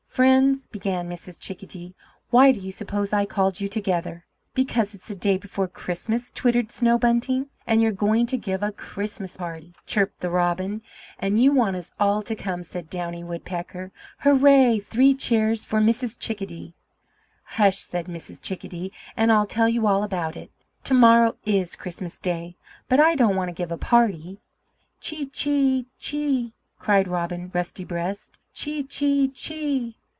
"Friends," began Mrs. Chickadee, "why do you suppose I called you together?" "Because it's the day before Christmas," twittered Snow Bunting. "And you're going to give a Christmas party," chirped the Robin. "And you want us all to come!" said Downy Woodpecker. "Hurrah! Three cheers for Mrs. Chickadee!" "Hush!" said Mrs. Chickadee, "and I'll tell you all about it. To morrow IS Christmas Day, but I don't want to give a party." "Chee, chee, chee!" cried Robin Rusty breast; "chee, chee, chee!"